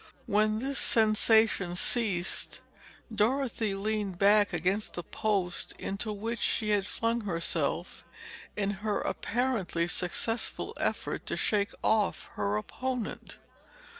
When this sensation ceased, Dorothy leaned back against the post into which she had flung herself in her apparently successful effort to shake off her opponent.